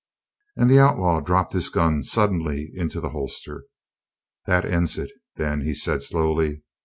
And the outlaw dropped his gun suddenly into the holster. "That ends it, then," he said slowly.